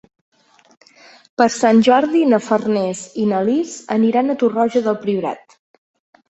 Per Sant Jordi na Farners i na Lis aniran a Torroja del Priorat.